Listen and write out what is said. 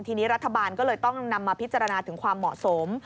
ทีนี้รัฐบาลก็เลยต้องนำมาพิจารณาถึงความเหมาะสม